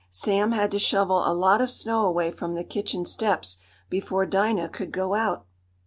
Sam had to shovel a lot of snow away from the kitchen steps before Dinah could go out.